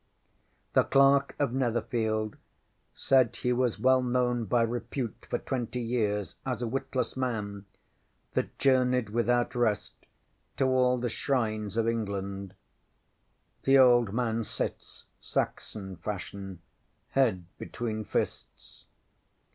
ŌĆśThe Clerk of Netherfield said he was well known by repute for twenty years as a witless man that journeyed without rest to all the shrines of England. The old man sits, Saxon fashion, head between fists.